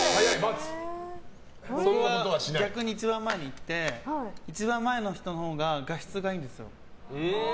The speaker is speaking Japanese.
僕は逆に一番前に行って一番前の人のほうが画質がいいんですよ。